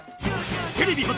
テレビ初！